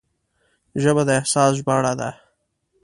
ژبه د احساس ژباړه ده